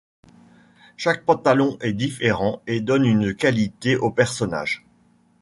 Chaque pantalon est différent et donne une qualité au personnage.